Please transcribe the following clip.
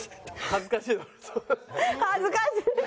恥ずかしいです。